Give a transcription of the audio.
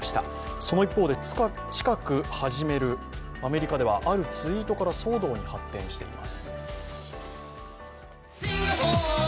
その一方で、近く始めるアメリカではあるツイートから騒動に発展しています。